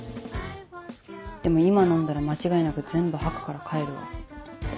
でも今飲んだら間違いなく全部吐くから帰るわ。